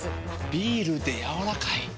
ビールでやわらかい。